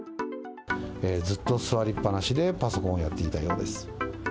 ずっと座りっぱなしでパソコンをやっていたようです。